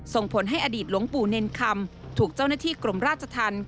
ส่งผลให้อดีตหลวงปู่เนรคำถูกเจ้าหน้าที่กรมราชธรรม